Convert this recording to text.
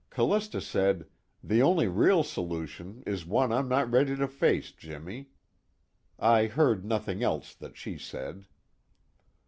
"Callista said: 'The only real solution is one I'm not ready to face, Jimmy.' I heard nothing else that she said."